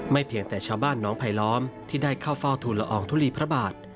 ไม่เพียงแต่ชาวบ้านน้องภายลองที่ได้เข้าฟ้าธุลอองทุรีพระบาท